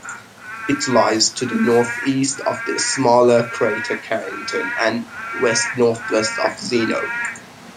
It lies to the northeast of the smaller crater Carrington, and west-northwest of Zeno.